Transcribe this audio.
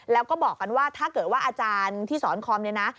แล้วก็บอกกันว่าถ้าเกิดว่าอาจารย์ที่สอนคอมเนี่ยนะ